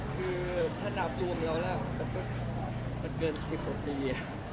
คือถ้านับรวมแล้วแล้วมันเกิน๑๖ปี